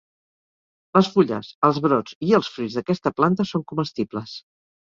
Les fulles, els brots i els fruits d'aquesta planta són comestibles.